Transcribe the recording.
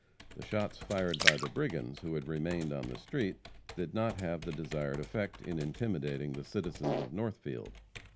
The shots fired by the brigands who had remained on the street did not have the desired effect in intimidating the citizens of Northfield.